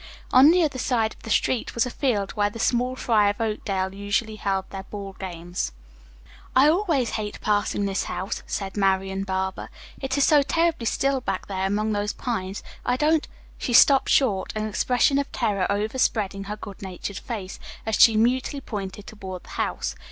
On the other side of the street was a field where the small fry of Oakdale usually held their ball games. "I always hate passing this old house," said Marian Barber. "It is so terribly still back there among those pines. I don't " She stopped short, an expression of terror overspreading her good natured face, as she mutely pointed toward the old house.